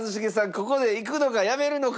ここでいくのかやめるのか？